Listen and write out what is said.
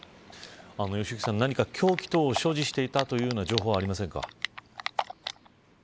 良幸さん、何か凶器等を所持していたという情報はありませんか。